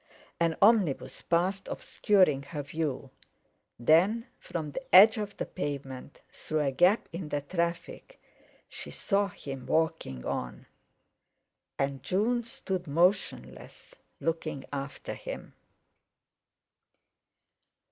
An omnibus passed, obscuring her view; then, from the edge of the pavement, through a gap in the traffic, she saw him walking on. And June stood motionless, looking after him.